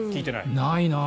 ないなあ。